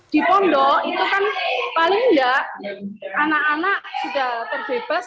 di pondok itu kan paling enggak anak anak sudah terbebas